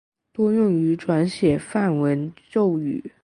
多用于转写梵文咒语。